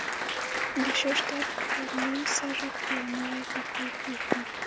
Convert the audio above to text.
د شش درک پر لوی سړک یو نوی پکول پروت و.